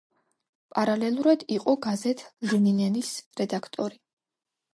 პარალელურად, იყო გაზეთ „ლენინელის“ რედაქტორი.